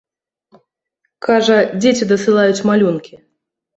Кажа, дзеці дасылаюць малюнкі.